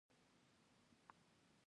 د لوحې مالیه څومره ده؟